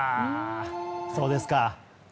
そうですか。